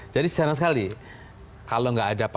jadi jarang sekali kalau nggak ada pasangannya